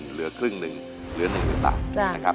๒๐๐๐๐เหลือครึ่งหนึ่งหรือหนึ่งหรือกันนะครับ